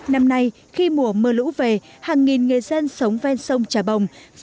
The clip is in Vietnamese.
năm nay khi mùa mưa lũ về hàng nghìn người dân sống vang sông trà bồng đang thấp thỏm mong chờ có kè chống xói lở